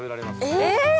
えっ！？